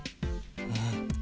うん。